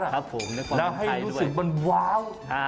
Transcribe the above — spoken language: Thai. แล้วให้รู้สึกมันว้าว